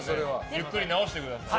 ゆっくり治してください。